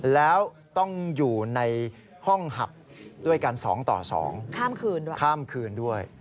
แล้วต้องอยู่ในห้องหับด้วยการสองต่อสองข้ามคืนด้วย